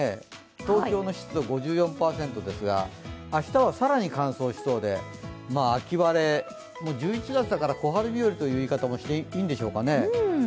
東京の湿度５４％ですが明日は更に乾燥しそうで、秋晴れ、もう１１月だから小春日和という言い方をしていいんでしょうかね。